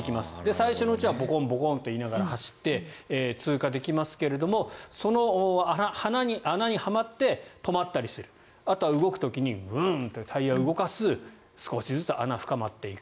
最初のうちはボコンボコンといいながら走って通過できますがその穴にはまって止まったりするあとは動く時にタイヤを動かす少しずつ穴が深まっていく。